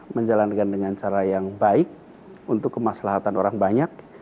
menjalankan dengan cara yang baik untuk kemaslahatan orang banyak